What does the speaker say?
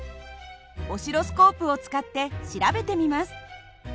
オシロスコープを使って調べてみます。